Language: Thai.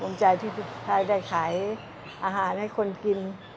อบใจที่สุดท้ายได้ขายอาหารให้คนกิน